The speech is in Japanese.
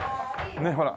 ねっほら。